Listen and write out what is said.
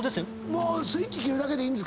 ⁉スイッチ切るだけでいいんですか？